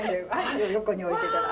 横に置いてたら。